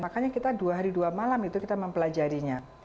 makanya kita dua hari dua malam itu kita mempelajarinya